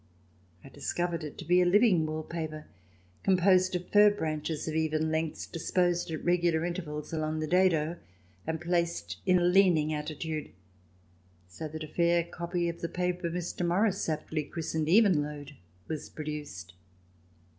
I discovered it to be a living wall paper, composed of fir branches of even lengths disposed at regular intervals along the dado and placed in a leaning attitude, so that a fair copy of the paper Mr. Morris aptly christened "Evenlode" was pro duced.